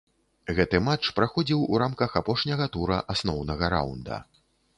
Гэты матч праходзіў у рамках апошняга тура асноўнага раўнда.